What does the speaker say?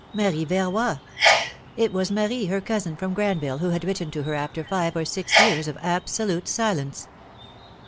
Marie Verroy!" It was Marie, her cousin from Granville, who had written to her after five or six years of absolute silence